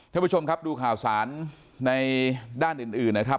ท่านผู้ชมครับดูข่าวสารในด้านอื่นนะครับ